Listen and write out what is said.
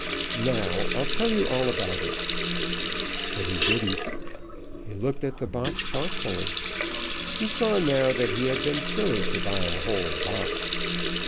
Now, I'll tell you all about it." But he didn't. He looked at the box thoughtfully. He saw now that he had been silly to buy a whole box.